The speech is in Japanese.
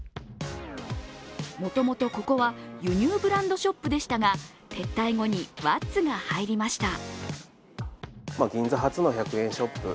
もともと、ここは輸入ブランドショップでしたが撤退後にＷａｔｔｓが入りました。